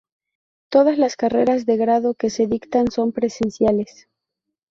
Todas las carreras de grado que se dictan son presenciales.